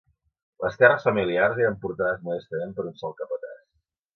Les terres familiars eren portades modestament per un sol capatàs.